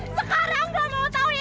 sekarang gak mau tau ya